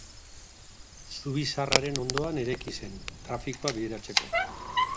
Zubi Zaharraren ondoan eraiki zen, trafikoa bideratzeko.